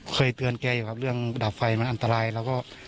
เคยเตือนแกอยู่ครับเรื่องดับไฟมันอันตรายแล้วก็